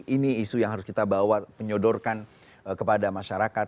ini isu yang harus kita bawa menyodorkan kepada masyarakat